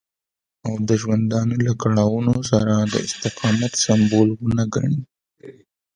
او د ژوندانه له کړاوونو سره د استقامت سمبول ونه ګڼي.